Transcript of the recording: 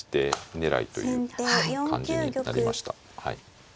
狙いという感じになりました。